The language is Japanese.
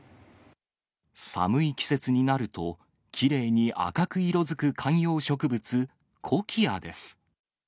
寒い季節になると、きれいに赤く色づく観葉植物、コキアです。